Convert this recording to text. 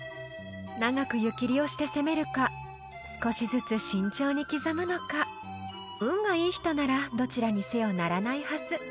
［長く湯切りをして攻めるか少しずつ慎重に刻むのか運がいい人ならどちらにせよ鳴らないはず］